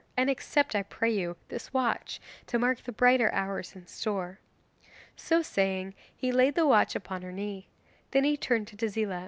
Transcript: And accept, I pray you, this watch, to mark the brighter hours in store.' So saying he laid the watch upon her knee. Then he turned to Tezila.